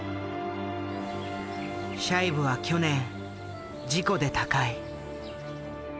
シャイブは去年事故で他界。